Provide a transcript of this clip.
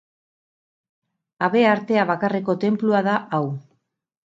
Habearte bakarreko tenplua da hau.